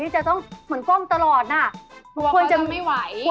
จริงเพราะว่าเค้าจะไม่ไหว